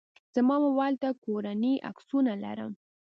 زما موبایل ته کورنۍ عکسونه لرم.